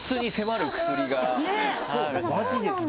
マジですか？